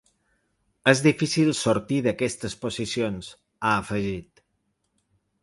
És difícil sortir d’aquestes posicions, ha afegit.